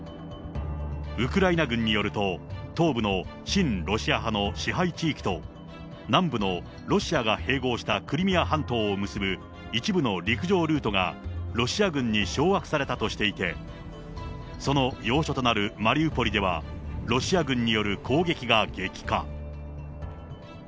ウクライナ軍によると、東部の親ロシア派の支配地域と、南部のロシアが併合したクリミア半島を結ぶ一部の陸上ルートが、ロシア軍に掌握されたとしていて、その要所となるマリウポリでは、ロシア軍による攻撃が激化。